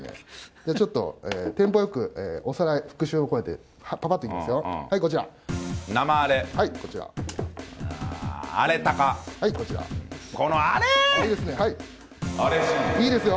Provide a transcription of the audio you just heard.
じゃあちょっとテンポよくおさらい、復習を込めて、ぱぱっといきますよ。